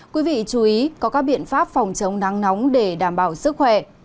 quý vị chú ý có các biện pháp phòng chống nắng nóng để đảm bảo sức khỏe